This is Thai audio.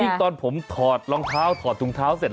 ตอนผมถอดรองเท้าถอดถุงเท้าเสร็จ